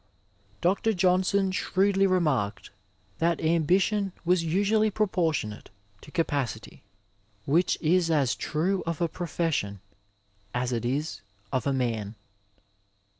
Dr. Johnson shrewdly remarked that ambition was usually proportionate to capacity, which is as true of a profession as it is of a man.